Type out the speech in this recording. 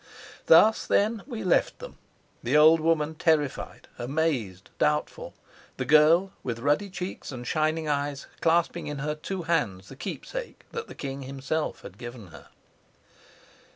Thus, then, we left them: the old woman terrified, amazed, doubtful; the girl with ruddy cheeks and shining eyes, clasping in her two hands the keepsake that the king himself had given her.